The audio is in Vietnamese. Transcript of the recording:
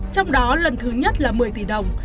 trong đó lần thứ nhất là một mươi tỷ đồng